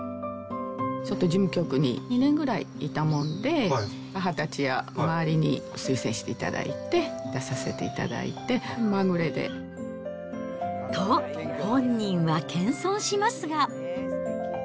ちょっと事務局に２年ぐらいいたもんで、母たちや周りに推薦していただいて、出させていただいて、まぐれと、本人は謙遜しますが。